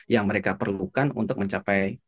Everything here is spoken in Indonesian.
yang mereka perlukan untuk mencapai